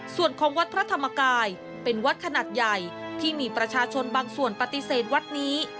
ส่วนของวัดพระธรรมกายเป็นวัดขนาดใหญ่ที่มีประชาชนบางส่วนปฏิเสธวัดนี้